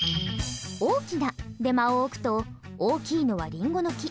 「大きな」で間を置くと大きいのは「りんごの木」。